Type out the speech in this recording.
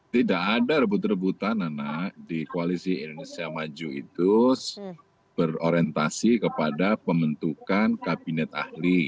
tidak ada rebut rebutan nana di koalisi indonesia maju itu berorientasi kepada pembentukan kabinet ahli